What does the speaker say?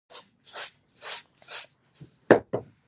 ازادي راډیو د تعلیم د ارتقا لپاره نظرونه راټول کړي.